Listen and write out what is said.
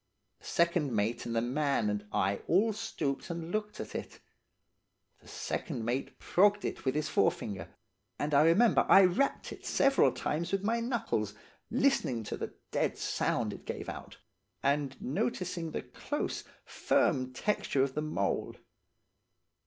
"The second mate and the man and I all stooped and looked at it. The second mate progged it with his forefinger, and I remember I rapped it several times with my knuckles, listening to the dead sound it gave out, and noticing the close, firm texture of the mould.